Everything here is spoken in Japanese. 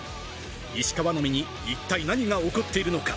石川の身に一体何が起こっているのか？